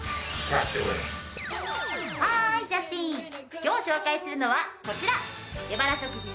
今日紹介するのはこちら！